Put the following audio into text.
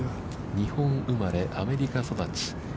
日本生まれ、アメリカ育ち。